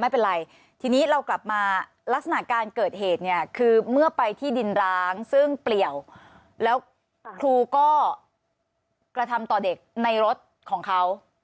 ไม่เป็นไรทีนี้เรากลับมาลักษณะการเกิดเหตุเนี่ยคือเมื่อไปที่ดินร้างซึ่งเปลี่ยวแล้วครูก็กระทำต่อเด็กในรถของเขา